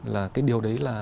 là cái điều đấy là